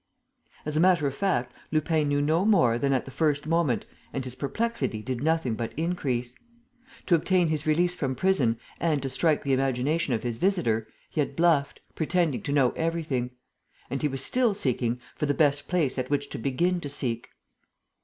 As a matter of fact, Lupin knew no more than at the first moment and his perplexity did nothing but increase. To obtain his release from prison and to strike the imagination of his visitor, he had bluffed, pretending to know everything; and he was still seeking for the best place at which to begin to seek.